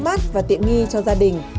mát và tiện nghi cho gia đình